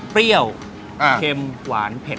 เปรี้ยวเค็มหวานเผ็ด